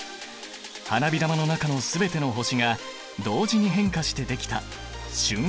花火玉の中の全ての星が同時に変化して出来た瞬間の芸術だ！